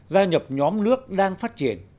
gia nhập nhóm nước đang phát triển